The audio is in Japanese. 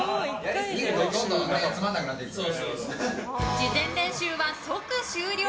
事前練習は即終了。